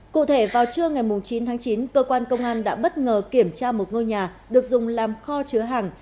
cụ thể vào trưa ngày chín tháng chín cơ quan công an đã bất ngờ kiểm tra một ngôi nhà được dùng làm kho chứa hàng